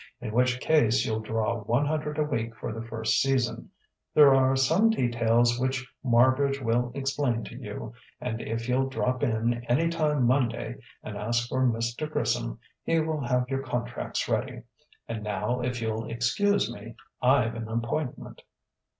In which case you'll draw one hundred a week for the first season. There are some details which Marbridge will explain to you and if you'll drop in any time Monday and ask for Mr. Grissom he will have your contracts ready. And now if you'll excuse me, I've an appointment."